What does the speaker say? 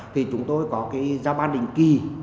thì chúng tôi có cái giao ban đình kỳ